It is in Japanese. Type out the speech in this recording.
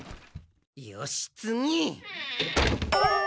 よし次！